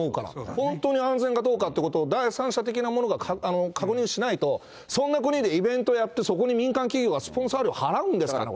本当に安全かどうかっていうことを第三者的なものが、確認しないと、そんな国でイベントをやって、そこに民間企業がスポンサー料を払うんですかと。